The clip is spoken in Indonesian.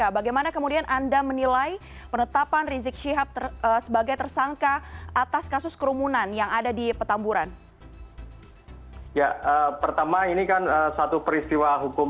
bagaimana kondisinya sehat pak